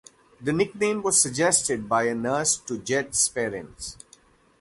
The nickname was suggested by a nurse to Jett's parents.